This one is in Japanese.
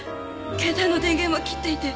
携帯の電源は切っていて。